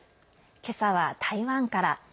今朝は台湾から。